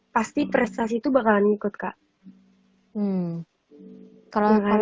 pasti prestasi itu bakalan ngikut kak